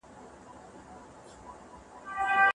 زما ورور د لمانځه لپاره جومات ته روان و.